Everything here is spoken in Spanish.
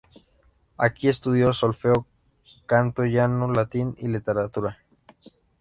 Aquí estudió solfeo, canto llano, latín y literatura.